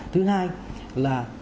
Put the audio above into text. thứ hai là